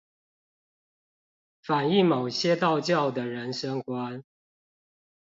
反映某些道教的人生觀